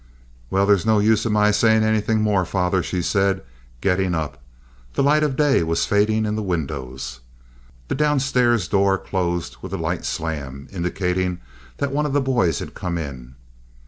"Well, there's no use of my saying anything more, father," she said, getting up. The light of day was fading in the windows. The downstairs door closed with a light slam, indicating that one of the boys had come in.